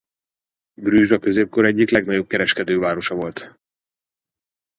Brugge a középkor egyik legnagyobb kereskedővárosa volt.